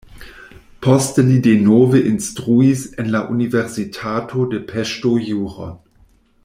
Poste li denove instruis en la universitato de Peŝto juron.